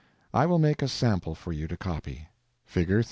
I will make a sample for you to copy: (Fig.